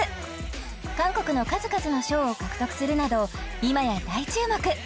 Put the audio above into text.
韓国の数々の賞を獲得するなど今や大注目！